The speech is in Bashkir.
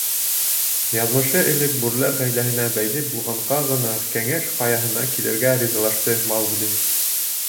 Яҙмышы элек бүреләр ғаиләһенә бәйле булғанға ғына Кәңәш Ҡаяһына килергә ризалашты Маугли.